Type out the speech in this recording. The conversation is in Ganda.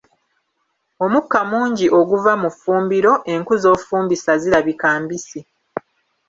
Omukka mungi oguva mu ffumbiro enku z'ofumbisa zirabika mbisi.